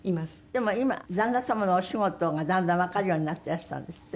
でも今旦那様のお仕事がだんだんわかるようになってらしたんですって？